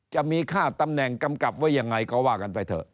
จะมีค่าตำแหน่งกำกับไว้ยังไงก็ว่ากันไปเถอะ